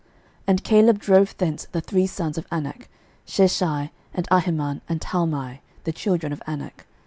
06:015:014 And Caleb drove thence the three sons of Anak, Sheshai, and Ahiman, and Talmai, the children of Anak.